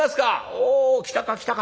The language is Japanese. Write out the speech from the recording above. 「おお来たか来たか。